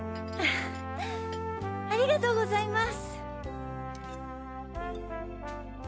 ありがとうございます。